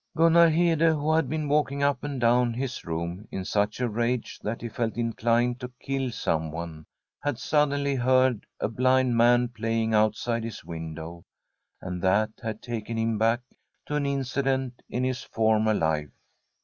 * Gunnar Hede, who had been walking up and down his room in such a rage that he felt inclined From a SWEDISH HOMESTEAD to kill someone, had suddenly heard a blind man playing outside his window, and that had taken him back to an incident in his former life.